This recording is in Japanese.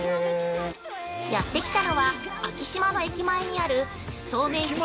◆やってきたのは昭島の駅前にある総面積